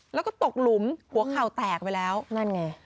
แล้วก็ตกหลุมหัวเข่าแตกไปแล้วนั่นไง